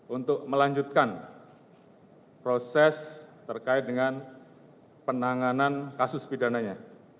untuk melanjutkan proses terkait dengan penanganan kasus pidananya